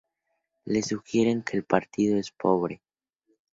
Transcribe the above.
Le sugieren que el partido es pobre.